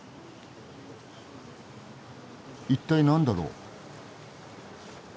一体何だろう？